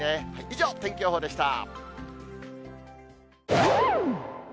以上、天気予報でした。